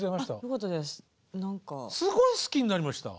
すごい好きになりました。